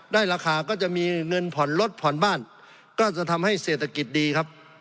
ราคาก็จะมีเงินผ่อนรถผ่อนบ้านก็จะทำให้เศรษฐกิจดีครับ